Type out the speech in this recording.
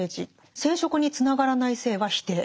「生殖につながらない性は否定」。